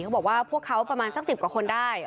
เขาบอกว่าพวกเขาประมาณสัก๑๐กว่าคนได้